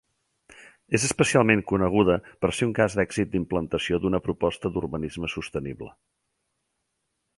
És especialment coneguda per ser un cas d'èxit d'implantació d'una proposta d'urbanisme sostenible.